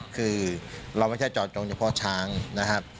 คือเราไม่ใช่จอดตรงเฉพาะช้างนะครับ